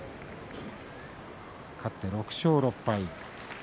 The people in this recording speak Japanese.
勝って６勝６敗。